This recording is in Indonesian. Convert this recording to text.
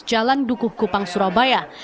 jalan dukuh kupang surabaya